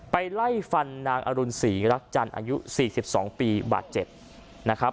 ไปไล่ฟันนางอรุณสีรักจันทร์อายุ๔๒ปีบาทเจ็บ